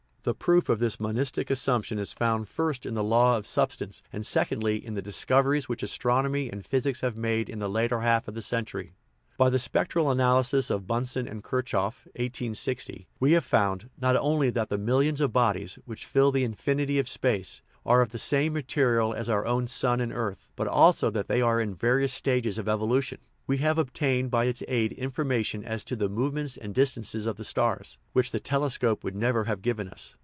The proof of this monistic assumption is found, first, in the law of substance, and, secondly, in the discov eries which astronomy and physics have made in the latter half of the century By the spectral analysis of Bunsen and Kirchhoff (1860) we have found, not only that the millions of bodies, which fill the infinity of space, are of the same material as our own sun and earth, but also that they are in various stages of evo lution; we have obtained by its aid information as to the movements and distances of the stars, which the telescope would never have given us.